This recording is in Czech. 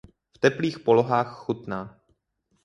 V teplých polohách chutná.